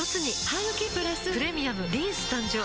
ハグキプラス「プレミアムリンス」誕生